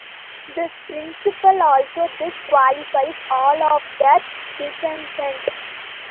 This principle also disqualifies all of their descendant.